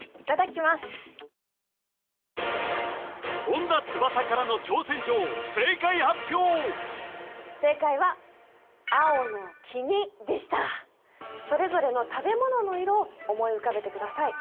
本田翼からの挑戦状正解発表正解は青の「君」でしたそれぞれの食べ物の色を思い浮かべてください